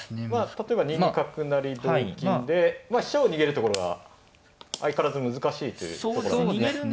例えば２二角成同金で飛車を逃げるところが相変わらず難しいということですか。